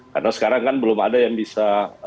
karena sekarang kan belum ada yang bisa